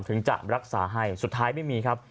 ถึงจะรักษาให้สุดท้ายไม่มีครับ